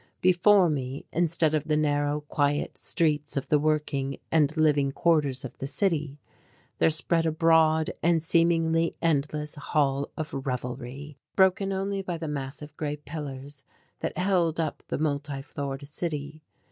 Before me, instead of the narrow, quiet streets of the working and living quarters of the city, there spread a broad and seemingly endless hall of revelry, broken only by the massive grey pillars that held up the multi floored city.